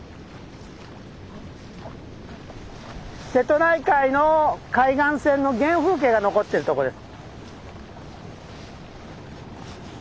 瀬戸内海の海岸線の原風景が残ってるとこです。